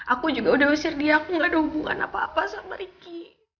aku juga udah usir dia aku gak ada hubungan apa apa sama ricky